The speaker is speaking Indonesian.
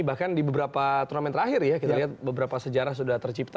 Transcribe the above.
bahkan di beberapa turnamen terakhir ya kita lihat beberapa sejarah sudah tercipta